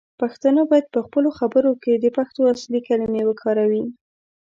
پښتانه باید پخپلو خبرو کې د پښتو اصلی کلمې وکاروي.